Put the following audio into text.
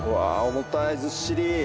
重たいずっしり。